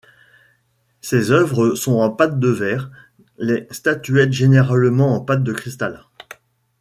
Ses œuvres sont en pâte de verre, les statuettes généralement en pâte de cristal.